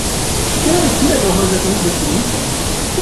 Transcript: Quelle heure est-il à l’horloge atomique de Toulouse ?